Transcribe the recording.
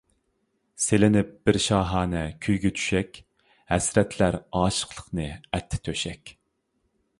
سېلىنىپ بىر شاھانە كۈيگە چۈشەك، ھەسرەتلەر ئاشىقلىقنى ئەتتى تۆشەك.